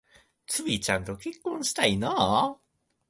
ツウィちゃんと結婚したいな